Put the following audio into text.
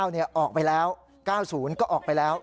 ๗๙เนี่ยออกไปแล้ว๙๐ก็ออกไปแล้ว